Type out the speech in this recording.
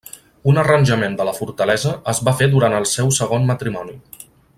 Un arranjament de la fortalesa es va fer durant el seu segon matrimoni.